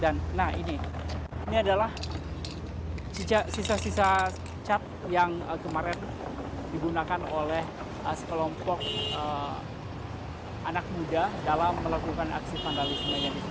nah ini adalah sisa sisa cat yang kemarin digunakan oleh sekelompok anak muda dalam melakukan aksi vandalismenya